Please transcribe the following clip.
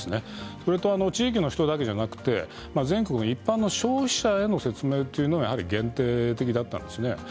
それと地域の人だけではなくて全国一般の消費者への説明というものが限定的だったんですね。